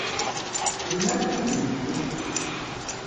Melmi ara ad ten-id-temmektim?